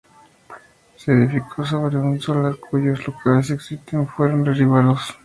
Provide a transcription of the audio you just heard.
Se edificó sobre un solar cuyos los locales existentes fueron derribados.